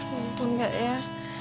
nonton gak ya